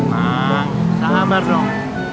mak tak sabar dong